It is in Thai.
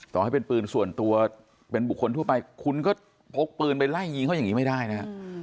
ต่อให้เป็นปืนส่วนตัวเป็นบุคคลทั่วไปคุณก็พกปืนไปไล่ยิงเขาอย่างนี้ไม่ได้นะฮะ